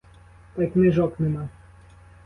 Та й книжок нема.